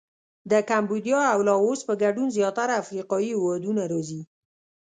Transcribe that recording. د کمبودیا او لاووس په ګډون زیاتره افریقایي هېوادونه راځي.